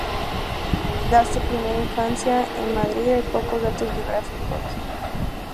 De su primera infancia en Madrid hay pocos datos biográficos.